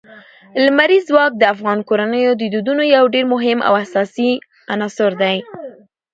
لمریز ځواک د افغان کورنیو د دودونو یو ډېر مهم او اساسي عنصر دی.